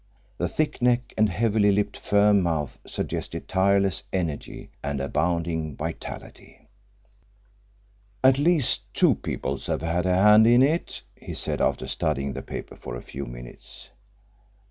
The thick neck and heavily lipped firm mouth suggested tireless energy and abounding vitality. "At least two people have had a hand in it," he said, after studying the paper for a few minutes.